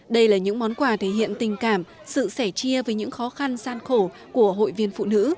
đây là những món quà thể hiện tình cảm sự sẻ chia với những khó khăn gian khổ của hội viên phụ nữ